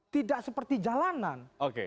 tidak seperti jalanan oke